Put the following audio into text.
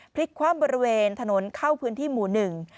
พลิกคว่ำบริเวณถนนเข้าพื้นที่หมู่หนึ่ง